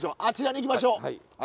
あちらに行きましょう。